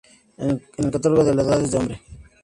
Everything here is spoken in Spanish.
En el "Catálogo Las Edades del Hombre.